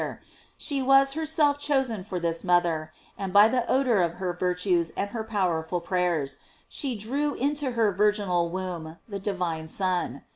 405 er, she was herself chosen for this mother, and by the odor of her virtues and her powerful prayers, she drew into her virginal womb the divine Son.